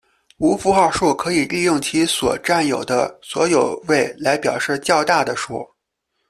无符号数可以利用其所占有的所有位来表示较大的数。